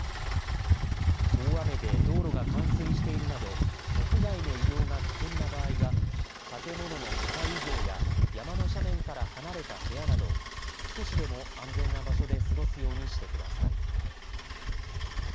大雨で道路が冠水しているなど屋外の移動が危険な場合は建物の２階以上や山の斜面から離れた部屋など少しでも安全な場所で過ごすようにしてください。